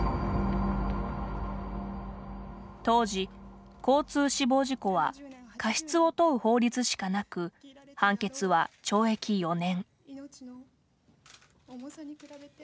当時交通死亡事故は過失を問う法律しかなく判決は懲役４年。